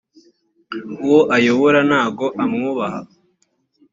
uwo ayobora ntago amwubaha.